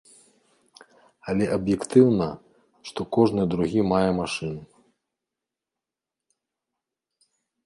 Але аб'ектыўна, што кожны другі мае машыну.